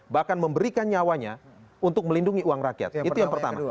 bahkan memberikan nyawanya untuk melindungi uang rakyat itu yang pertama